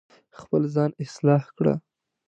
خپل ځان اصلاح کړه